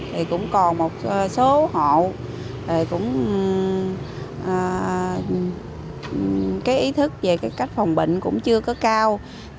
thì cũng còn một số hộ cái ý thức về cách phòng bệnh cũng chưa có cao